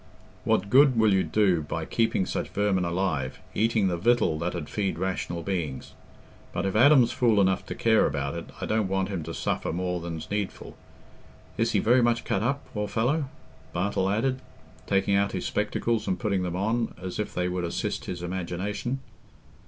What good will you do by keeping such vermin alive, eating the victual that 'ud feed rational beings? But if Adam's fool enough to care about it, I don't want him to suffer more than's needful.... Is he very much cut up, poor fellow?" Bartle added, taking out his spectacles and putting them on, as if they would assist his imagination.